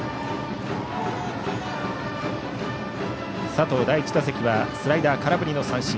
佐藤、第１打席はスライダーを空振り三振。